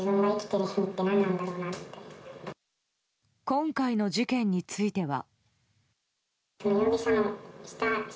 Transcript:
今回の事件については。